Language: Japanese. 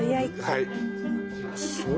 はい。